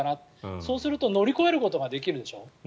そうすると乗り越えることができるでしょ。